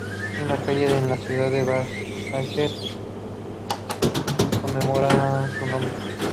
Una calle en la ciudad de Versalles conmemora su nombre.